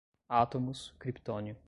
átomos, criptônio